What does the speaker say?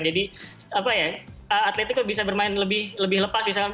jadi atletico bisa bermain lebih lepas